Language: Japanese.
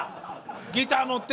ギター持って。